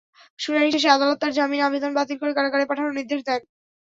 শুনানি শেষে আদালত তাঁর জামিন আবেদন বাতিল করে কারাগারে পাঠানোর নির্দেশ দেন।